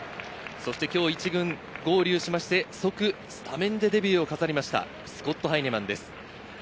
今日１軍に合流しまして、即スタメンデビューを飾りました、スコット・ハイネマンです。